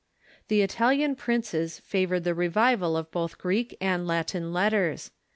The Italian princes favored the revival of both Greek and Latin letters.